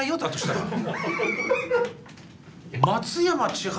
松山千春